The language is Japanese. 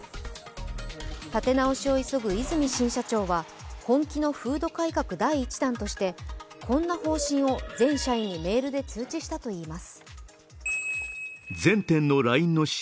立て直しを急ぐ和泉新社長は本気の風土改革第１弾としてこんな方針を全社員にメールで通知したといいます。